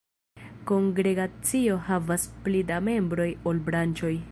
Kongregacio havas pli da membroj ol branĉo.